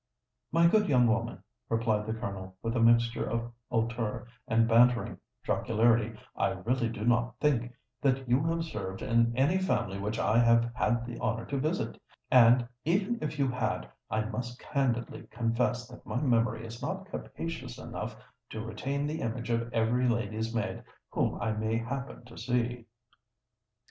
"My good young woman," replied the Colonel, with a mixture of hauteur and bantering jocularity, "I really do not think that you have served in any family which I have had the honour to visit: and, even if you had, I must candidly confess that my memory is not capacious enough to retain the image of every lady's maid whom I may happen to see."